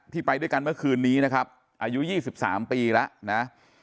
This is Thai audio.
ไปด้วยกันเมื่อคืนนี้นะครับอายุ๒๓ปีแล้วนะ